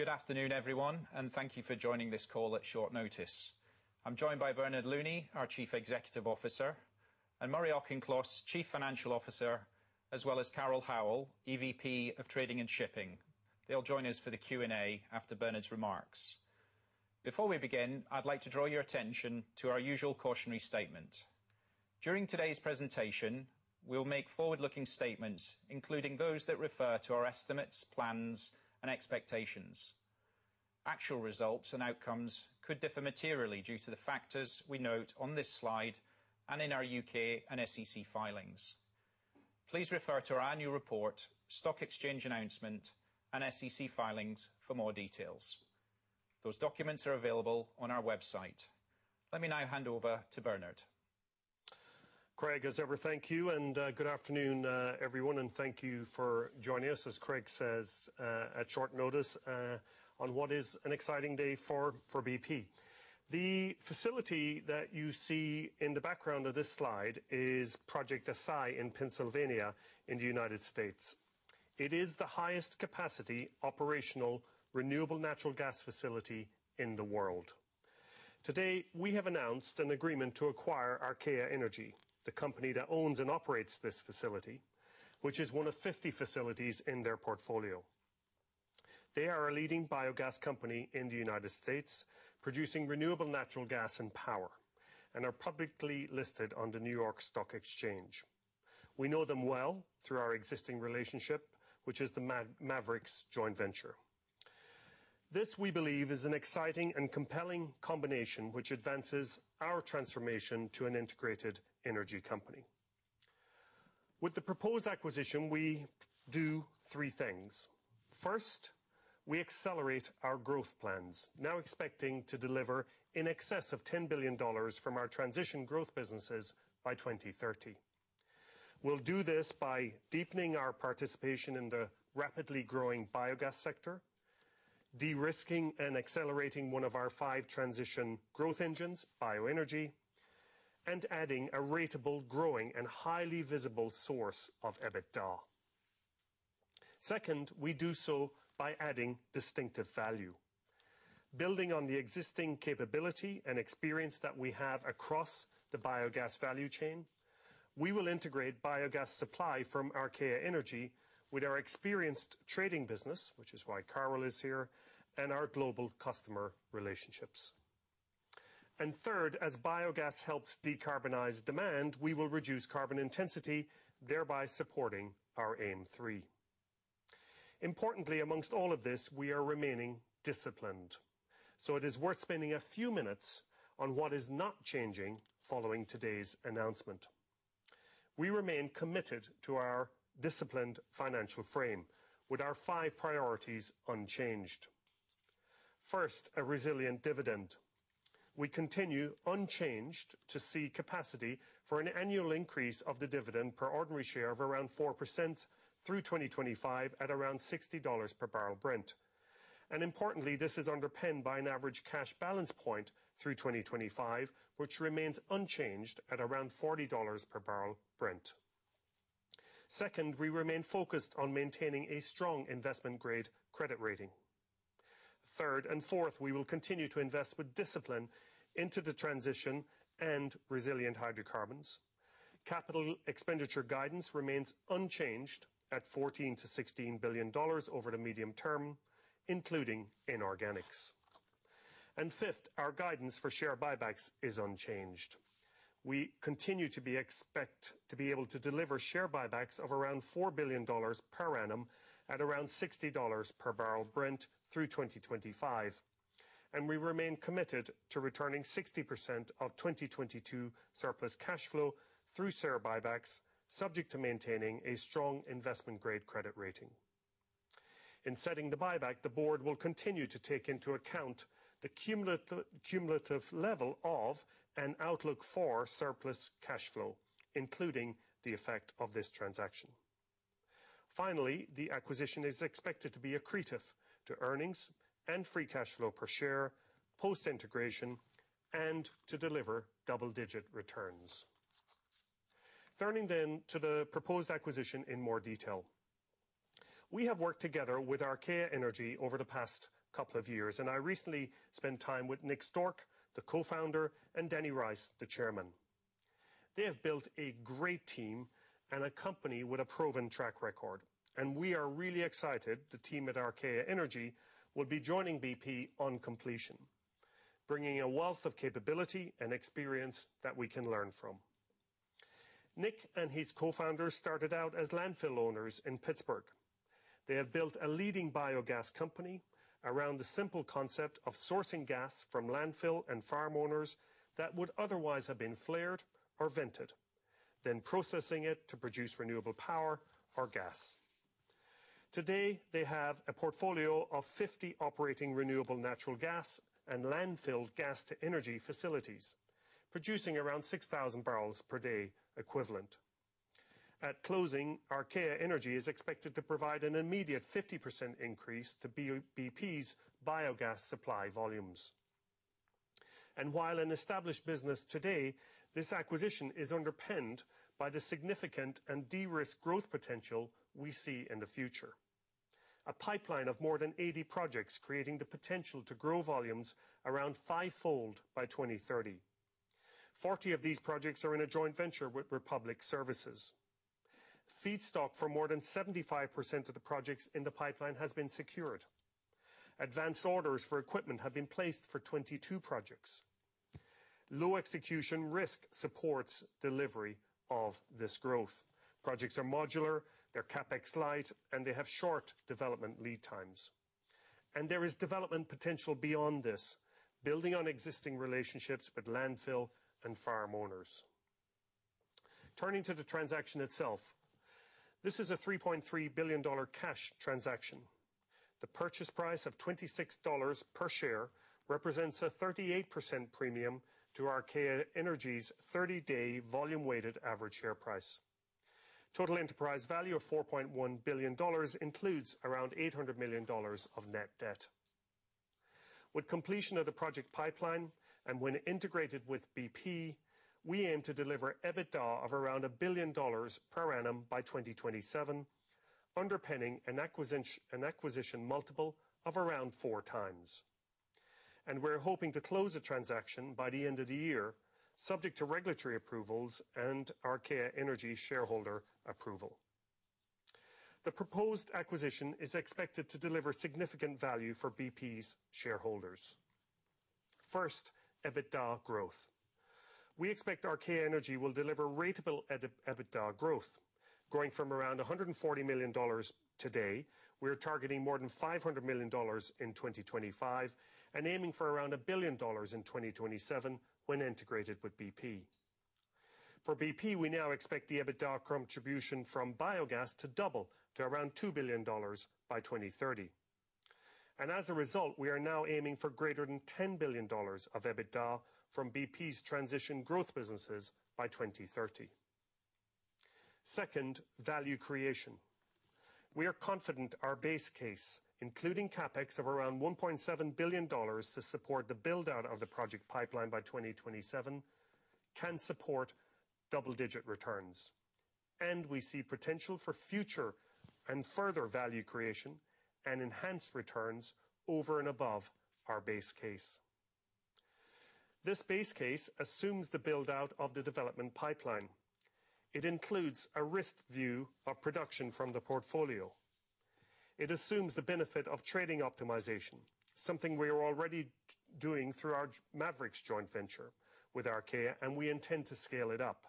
Good afternoon, everyone, and thank you for joining this call at short notice. I'm joined by Bernard Looney, our Chief Executive Officer, and Murray Auchincloss, Chief Financial Officer, as well as Carol Howle, EVP of Trading & Shipping. They'll join us for the Q&A after Bernard's remarks. Before we begin, I'd like to draw your attention to our usual cautionary statement. During today's presentation, we'll make forward-looking statements, including those that refer to our estimates, plans, and expectations. Actual results and outcomes could differ materially due to the factors we note on this slide and in our UK and SEC filings. Please refer to our annual report, stock exchange announcement, and SEC filings for more details. Those documents are available on our website. Let me now hand over to Bernard. Craig, as ever, thank you and good afternoon, everyone, and thank you for joining us, as Craig says, at short notice, on what is an exciting day for BP. The facility that you see in the background of this slide is Project Assai in Pennsylvania in the United States. It is the highest capacity operational renewable natural gas facility in the world. Today, we have announced an agreement to acquire Archaea Energy, the company that owns and operates this facility, which is one of 50 facilities in their portfolio. They are a leading biogas company in the United States, producing renewable natural gas and power and are publicly listed on the New York Stock Exchange. We know them well through our existing relationship, which is the Mavericks joint venture. This, we believe, is an exciting and compelling combination, which advances our transformation to an integrated energy company. With the proposed acquisition, we do three things. First, we accelerate our growth plans, now expecting to deliver in excess of $10 billion from our transition growth businesses by 2030. We'll do this by deepening our participation in the rapidly growing biogas sector, de-risking and accelerating one of our five transition growth engines, bioenergy, and adding a ratable growing and highly visible source of EBITDA. Second, we do so by adding distinctive value. Building on the existing capability and experience that we have across the biogas value chain, we will integrate biogas supply from Archaea Energy with our experienced trading business, which is why Carol is here, and our global customer relationships. And third, as biogas helps decarbonize demand, we will reduce carbon intensity, thereby supporting our aim three. Importantly, among all of this, we are remaining disciplined, so it is worth spending a few minutes on what is not changing following today's announcement. We remain committed to our disciplined financial frame with our five priorities unchanged. First, a resilient dividend. We continue unchanged to see capacity for an annual increase of the dividend per ordinary share of around 4% through 2025 at around $60 per barrel Brent. Importantly, this is underpinned by an average cash balance point through 2025, which remains unchanged at around $40 per barrel Brent. Second, we remain focused on maintaining a strong investment-grade credit rating. Third and fourth, we will continue to invest with discipline into the transition and resilient hydrocarbons. Capital expenditure guidance remains unchanged at $14 billion to $16 billion over the medium term, including inorganics. Fifth, our guidance for share buybacks is unchanged. We continue to expect to be able to deliver share buybacks of around $4 billion per annum at around $60 per barrel Brent through 2025. We remain committed to returning 60% of 2022 surplus cash flow through share buybacks, subject to maintaining a strong investment-grade credit rating. In setting the buyback, the board will continue to take into account the cumulative level and outlook for surplus cash flow, including the effect of this transaction. Finally, the acquisition is expected to be accretive to earnings and free cash flow per share, post-integration, and to deliver double-digit returns. Turning then to the proposed acquisition in more detail. We have worked together with Archaea Energy over the past couple of years, and I recently spent time with Nick Stork, the co-founder, and Daniel Rice IV, the chairman. They have built a great team and a company with a proven track record, and we are really excited the team at Archaea Energy will be joining BP on completion, bringing a wealth of capability and experience that we can learn from. Nick and his co-founders started out as landfill owners in Pittsburgh. They have built a leading biogas company around the simple concept of sourcing gas from landfill and farm owners that would otherwise have been flared or vented, then processing it to produce renewable power or gas. Today, they have a portfolio of 50 operating renewable natural gas and landfill gas to energy facilities, producing around 6,000 barrels per day equivalent. At closing, Archaea Energy is expected to provide an immediate 50% increase to BP's biogas supply volumes. And while an established business today, this acquisition is underpinned by the significant and de-risk growth potential we see in the future. A pipeline of more than 80 projects creating the potential to grow volumes around fivefold by 2030. 40 of these projects are in a joint venture with Republic Services. Feedstock for more than 75% of the projects in the pipeline has been secured. Advanced orders for equipment have been placed for 22 projects. Low execution risk supports delivery of this growth. Projects are modular, they're CapEx light, and they have short development lead times. There is development potential beyond this, building on existing relationships with landfill and farm owners. Turning to the transaction itself. This is a $3.3 billion cash transaction. The purchase price of $26 per share represents a 38% premium to Archaea Energy's 30-day volume-weighted average share price. Total enterprise value of $4.1 billion includes around $800 million of net debt. With completion of the project pipeline and when integrated with BP, we aim to deliver EBITDA of around $1 billion per annum by 2027, underpinning an acquisition multiple of around four times. And we're hoping to close the transaction by the end of the year, subject to regulatory approvals and Archaea Energy shareholder approval. The proposed acquisition is expected to deliver significant value for BP's shareholders. First, EBITDA growth. We expect Archaea Energy will deliver ratable EBITDA growth, growing from around $140 million today, we're targeting more than $500 million in 2025, and aiming for around $1 billion in 2027 when integrated with BP. For BP, we now expect the EBITDA contribution from biogas to double to around $2 billion by 2030. And as a result, we are now aiming for greater than $10 billion of EBITDA from BP's transition growth businesses by 2030. Second, value creation. We are confident our base case, including CapEx of around $1.7 billion to support the build-out of the project pipeline by 2027, can support double-digit returns. We see potential for future and further value creation and enhanced returns over and above our base case. This base case assumes the build-out of the development pipeline. It includes a risk view of production from the portfolio. It assumes the benefit of trading optimization, something we are already doing through our Mavericks joint venture with Archaea, and we intend to scale it up.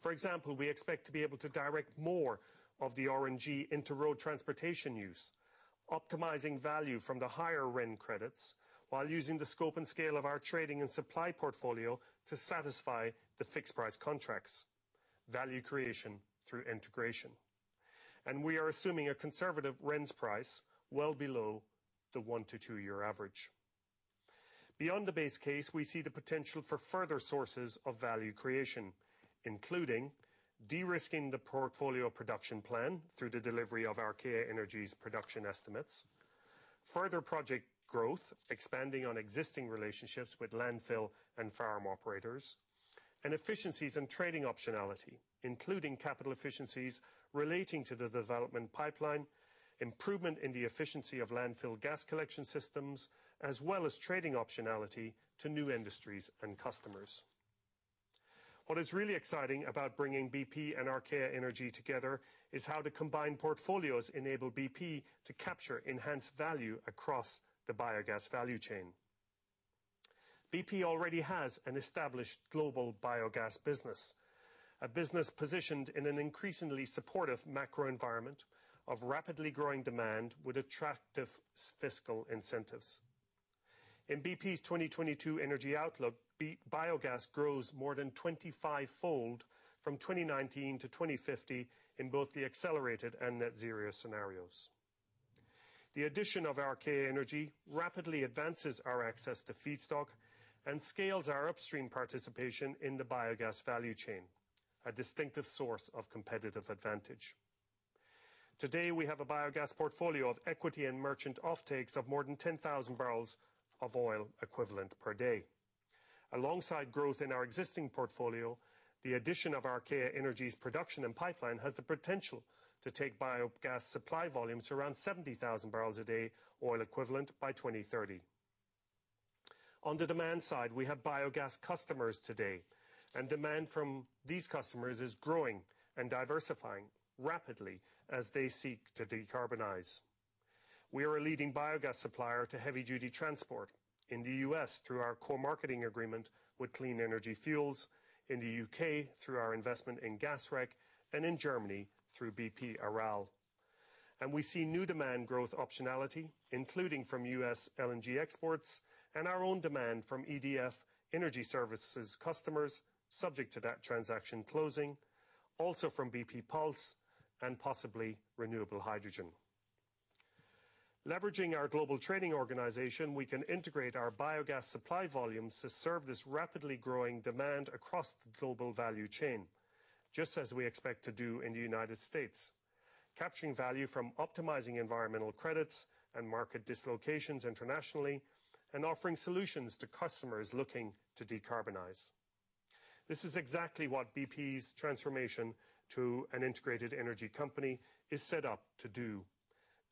For example, we expect to be able to direct more of the RNG into road transportation use, optimizing value from the higher RIN credits while using the scope and scale of our trading and supply portfolio to satisfy the fixed price contracts. Value creation through integration. We are assuming a conservative RINs price well below the one to two year average. Beyond the base case, we see the potential for further sources of value creation, including de-risking the portfolio production plan through the delivery of Archaea Energy's production estimates, further project growth, expanding on existing relationships with landfill and farm operators, and efficiencies and trading optionality, including capital efficiencies relating to the development pipeline, improvement in the efficiency of landfill gas collection systems, as well as trading optionality to new industries and customers. What is really exciting about bringing BP and Archaea Energy together is how the combined portfolios enable BP to capture enhanced value across the biogas value chain. BP already has an established global biogas business, a business positioned in an increasingly supportive macro environment of rapidly growing demand with attractive fiscal incentives. In BP's 2022 energy outlook, biogas grows more than 25-fold from 2019 to 2050 in both the accelerated and net zero scenarios. The addition of Archaea Energy rapidly advances our access to feedstock and scales our upstream participation in the biogas value chain, a distinctive source of competitive advantage. Today, we have a biogas portfolio of equity and merchant offtakes of more than 10,000 barrels of oil equivalent per day. Alongside growth in our existing portfolio, the addition of Archaea Energy's production and pipeline has the potential to take biogas supply volumes to around 70,000 barrels a day oil equivalent by 2030. On the demand side, we have biogas customers today, and demand from these customers is growing and diversifying rapidly as they seek to decarbonize. We are a leading biogas supplier to heavy duty transport in the U.S. through our co-marketing agreement with Clean Energy Fuels, in the U.K. through our investment in Gasrec, and in Germany through BP Aral. We see new demand growth optionality, including from US LNG exports and our own demand from EDF Energy Services customers, subject to that transaction closing, also from bp pulse and possibly renewable hydrogen. Leveraging our global trading organization, we can integrate our biogas supply volumes to serve this rapidly growing demand across the global value chain, just as we expect to do in the United States. Capturing value from optimizing environmental credits and market dislocations internationally and offering solutions to customers looking to decarbonize. This is exactly what BP's transformation to an integrated energy company is set up to do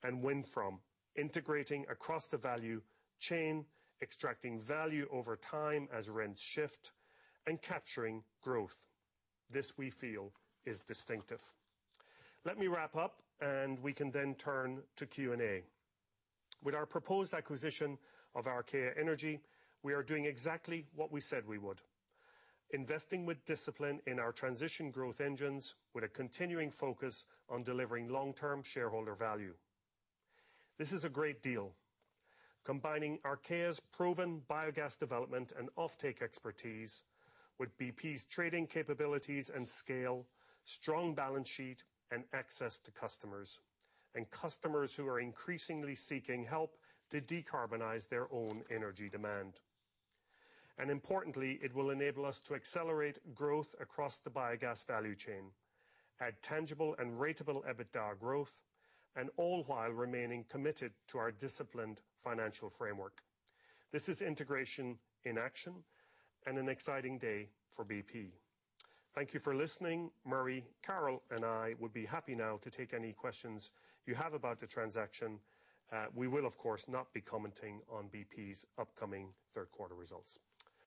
and win from integrating across the value chain, extracting value over time as rents shift, and capturing growth. This we feel is distinctive. Let me wrap up and we can then turn to Q&A. With our proposed acquisition of Archaea Energy, we are doing exactly what we said we would. Investing with discipline in our transition growth engines with a continuing focus on delivering long-term shareholder value. This is a great deal. Combining Archaea's proven biogas development and offtake expertise with BP's trading capabilities and scale, strong balance sheet, and access to customers, and customers who are increasingly seeking help to decarbonize their own energy demand. Importantly, it will enable us to accelerate growth across the biogas value chain at tangible and ratable EBITDA growth, and all while remaining committed to our disciplined financial framework. This is integration in action and an exciting day for BP. Thank you for listening. Murray, Carol, and I would be happy now to take any questions you have about the transaction. We will of course not be commenting on BP's upcoming third quarter results.